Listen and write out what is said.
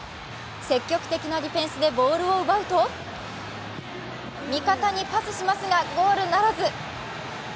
積極的なディフェンスでボールを奪うと味方にパスしますが、ゴールならず。